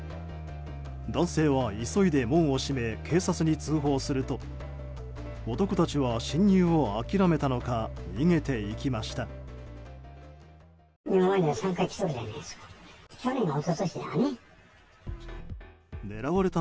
男性は急いで門を閉め警察に通報すると男たちは侵入を諦めたのか逃げていきました。